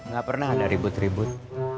gak pernah ada ribut ribut